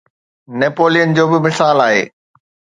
Napoleon جو به مثال آهي.